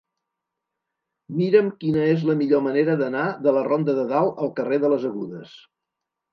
Mira'm quina és la millor manera d'anar de la ronda de Dalt al carrer de les Agudes.